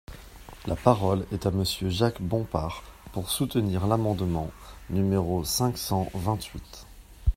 La parole est à Monsieur Jacques Bompard, pour soutenir l’amendement numéro cinq cent vingt-huit.